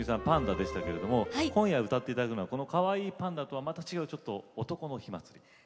パンダでしたけれども今夜歌っていただくのはこのかわいいパンダとはまた違う「男の火祭り」。